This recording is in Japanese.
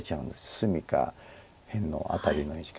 隅か辺のあたりの石か。